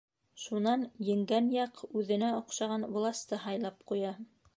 Шунан еңгән яҡ үҙенә оҡшаған власты яһап ҡуя.